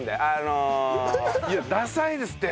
いやダサいですって。